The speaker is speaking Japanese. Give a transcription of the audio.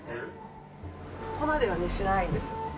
そこまではねしないです。